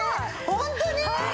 ホントに？